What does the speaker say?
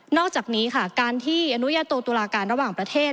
อกจากนี้ค่ะการที่อนุญาโตตุลาการระหว่างประเทศ